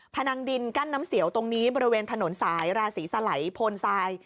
นังดินกั้นน้ำเสียวตรงนี้บริเวณถนนสายราศีสลัยโพนทราย